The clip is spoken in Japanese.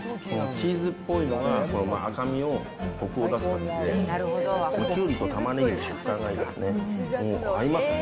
チーズっぽいのが赤身をこくを出すためで、キュウリとタマネギの食感がいいですね。